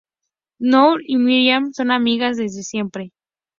Nour y Myriam son amigas desde siempre.